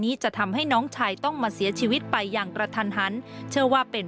จะทำให้น้องชายต้องมาเสียชีวิตไปอย่างกระทันหันเชื่อว่าเป็น